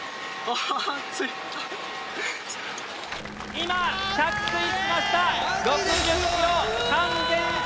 今着水しました。